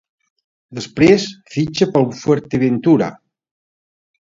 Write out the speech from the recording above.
Després, fitxa pel Fuerteventura.